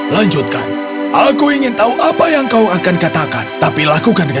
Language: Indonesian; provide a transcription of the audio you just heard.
lanjutkan aku ingin tahu apa yang kau akan katakan tapi lakukan dengan